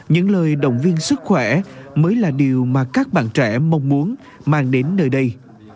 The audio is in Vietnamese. những lời động viên sức khỏe mới là điều mà các bạn trẻ mong muốn mang đến nơi đây